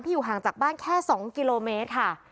อยู่ห่างจากบ้านแค่๒กิโลเมตรค่ะ